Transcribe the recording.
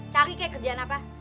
cari kayak kerjaan apa